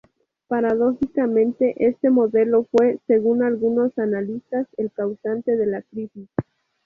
Paradójicamente, este modelo fue, según algunos analistas, el causante de la crisis.